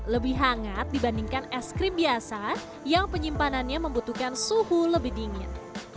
lebih hangat dibandingkan es krim biasa yang penyimpanannya membutuhkan suhu lebih dingin